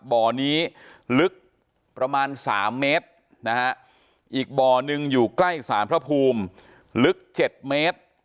บ่อนี้ลึกประมาณ๓เมตรนะฮะอีกบ่อหนึ่งอยู่ใกล้สารพระภูมิลึก๗เมตร